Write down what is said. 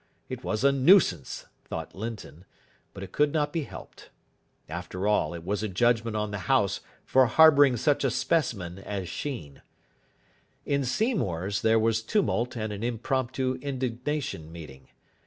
It was a nuisance, thought Linton, but it could not be helped. After all, it was a judgment on the house for harbouring such a specimen as Sheen. In Seymour's there was tumult and an impromptu indignation meeting.